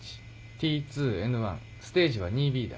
Ｔ２Ｎ１ステージはⅡｂだ。